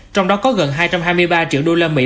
trong đó có gần hai trăm hai mươi ba triệu đô la mỹ